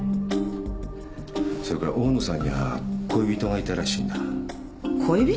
それから大野さんには恋人がいたらしいんだ。恋人！？